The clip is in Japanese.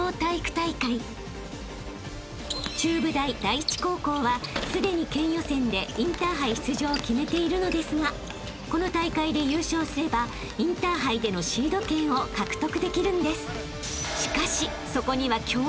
［中部大第一高校はすでに県予選でインターハイ出場を決めているのですがこの大会で優勝すればインターハイでのシード権を獲得できるんです］